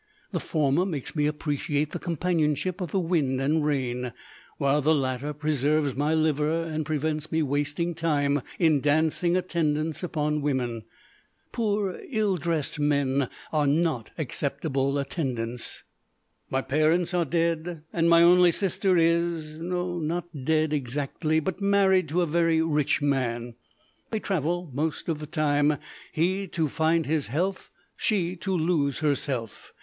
The former makes me appreciate the companionship of the wind and rain, while the latter preserves my liver and prevents me wasting time in dancing attendance upon women. Poor, ill dressed men are not acceptable "attendants". My parents are dead, and my only sister is no, not dead exactly, but married to a very rich man. They travel most of the time, he to find his health, she to lose herself.